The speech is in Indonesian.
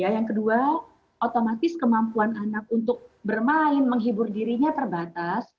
yang kedua otomatis kemampuan anak untuk bermain menghibur dirinya terbatas